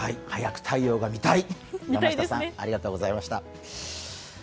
早く太陽が見たいありがとうございました。